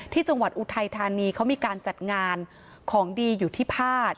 ที่จังหวัดอุทัยธานีเขามีการจัดงานของดีอยู่ที่พลาด